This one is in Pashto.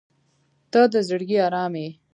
• ته د زړګي ارام یې.